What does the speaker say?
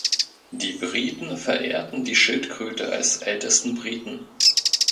Die Briten verehrten die Schildkröte als „ältesten Briten“.